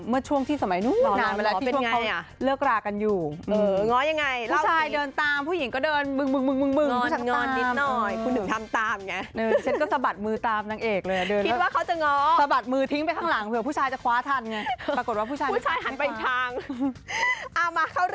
เมื่อช่วงที่สมัยนั้นเวลาที่ช่วงเขาเลิกรากันอยู่